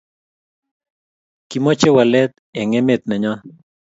Kimache walet en emet nenyon